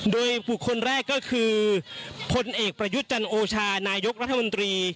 โดยบุคคลแรกก็คือพลเอกประยุทธ์จันโอชานายกรัฐมนตรี